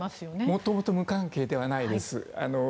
もともと無関係ではないです。